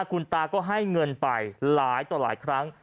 คุณตาก็ให้เงินไปหลายละครั้ง